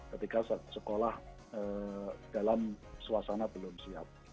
ketika sekolah dalam suasana belum siap